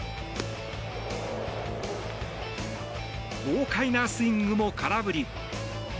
豪快なスイングも空振り。